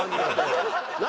何？